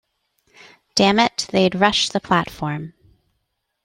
Damn it, they'd rush the platform.